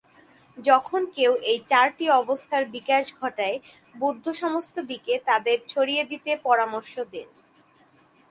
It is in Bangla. যখন কেউ এই চারটি অবস্থার বিকাশ ঘটায়, বুদ্ধ সমস্ত দিকে তাদের ছড়িয়ে দিতে পরামর্শ দেন।